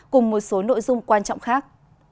cùng một số nội dung quan trọng khác